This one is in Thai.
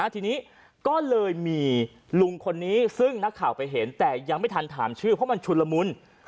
ทีนี้ก็เลยมีลุงคนนี้ซึ่งนักข่าวไปเห็นแต่ยังไม่ทันถามชื่อเพราะมันชุนละมุน